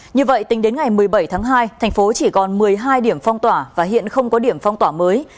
như vậy tính đến ngày một mươi bảy tháng hai thành phố chỉ còn một mươi hai điểm phong tỏa và hiện không có điểm phong tỏa mới